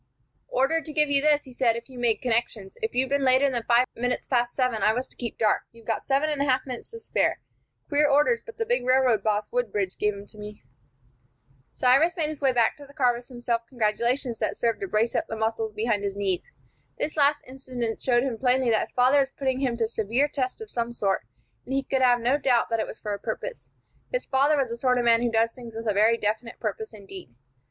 "Ordered to give you this," he said, "if you made connections. If you'd been later than five minutes past seven, I was to keep dark. You've got seven minutes and a half to spare. Queer orders, but the big railroad boss, Woodbridge, gave 'em to me." Cyrus made his way back to the car with some self congratulations that served to brace up the muscles behind his knees. This last incident showed him plainly that his father was putting him to a severe test of some sort, and he could have no doubt that it was for a purpose. His father was the sort of man who does things with a very definite purpose indeed.